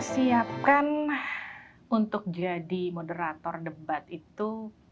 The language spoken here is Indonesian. siapkan untuk jadi moderator debat itu